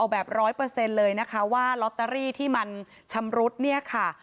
แบบร้อยเปอร์เซ็นต์เลยนะคะว่าลอตเตอรี่ที่มันชำรุดเนี่ยค่ะ